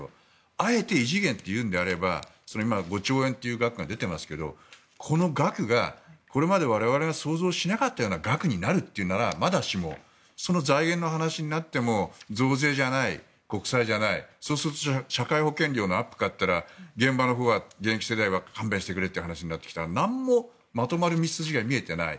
あえて異次元というのであれば今、５兆円という額が出ていますがこの額がこれまで我々が想像しなかった額になるっていうならまだしもその財源の話になっても増税じゃない、国債じゃないそうすると社会保険料のアップかというと現場のほうは現役世代は勘弁してくれという話になると何もまとまる道筋が見えていない。